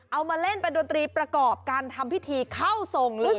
เอามาเล่นเป็นดนตรีประกอบการทำพิธีเข้าทรงเลย